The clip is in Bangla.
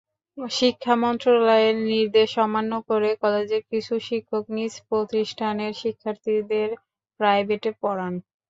শিক্ষা মন্ত্রণালয়ের নির্দেশ অমান্য করে কলেজের কিছু শিক্ষক নিজ প্রতিষ্ঠানের শিক্ষার্থীদের প্রাইভেটে পড়ান।